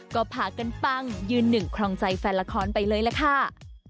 ก็พากันปังยืนหนึ่งครองใจแฟนละครไปเลยล่ะค่ะ